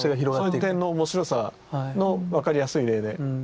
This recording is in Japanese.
そういう点の面白さの分かりやすい例で。